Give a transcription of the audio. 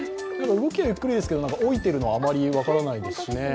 動きはゆっくりですけど、老いているのはあまり分からないですしね。